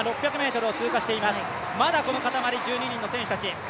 まだこの固まり１２人の選手たち。